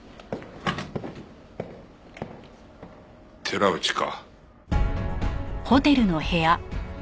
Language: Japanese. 寺内か。